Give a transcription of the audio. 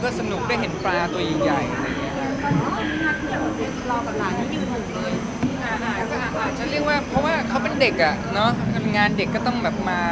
เดี๋ยวนี้เวลาไปไหนคนก็เรียกเยอะของผมมาก